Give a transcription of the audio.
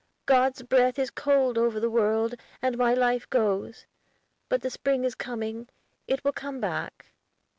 "God's breath is cold over the world, and my life goes. But the spring is coming; it will come back."